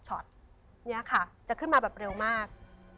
จะขึ้นมาแบบเร็วมาก